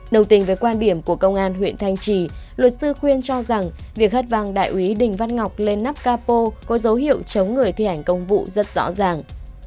đồng tình với quan điểm của công an huyện thanh trì luật sư khuyên cho rằng việc hất vàng đại úy đình văn ngọc lên nắp capo có dấu hiệu chống người thi hành công vụ rất rõ ràng